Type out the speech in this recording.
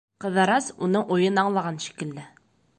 Ҡыҙырас, уның уйын аңлаған шикелле: